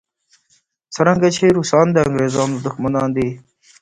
څرنګه چې روسان د انګریزانو دښمنان دي.